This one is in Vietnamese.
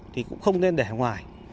thì cũng không nên để ở ngoài